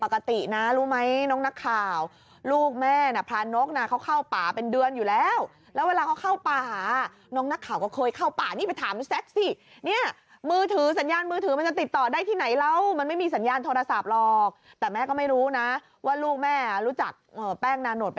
ก็ตอบเตือนกับหลอกมันอยู่ในจุดจนกับคนเหล้นอยู่ครับ